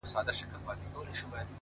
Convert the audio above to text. نو خود به اوس ورځي په وينو رنگه ككــرۍ-